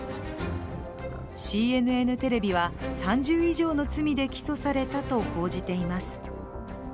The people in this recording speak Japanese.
ＣＮＮテレビは３０以上の罪で起訴されたと報じています。